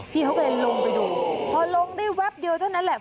พี่เขาก็เลยลงไปดูพอลงได้แป๊บเดียวเท่านั้นแหละ